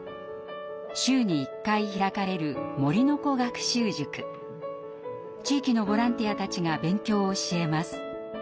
週に１回開かれる地域のボランティアたちが勉強を教えます。